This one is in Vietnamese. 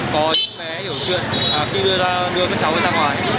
có những bé hiểu chuyện khi đưa con cháu ra ngoài